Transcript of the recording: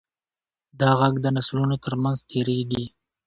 دا غږ د نسلونو تر منځ تېرېږي.